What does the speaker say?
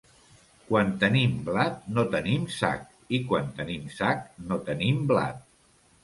Quan tenim blat no tenim sac i quan tenim sac, no tenim blat.